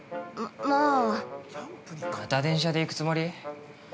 また電車で行くつもり？